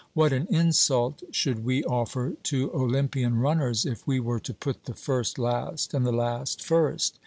What an insult should we offer to Olympian runners if we were to put the first last and the last first!